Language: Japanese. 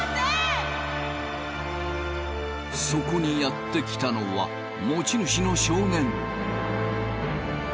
そこにやって来たのは持ち主の少年。